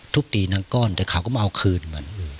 ทุบตีนางก้อนแต่เขาก็มาเอาคืนมัน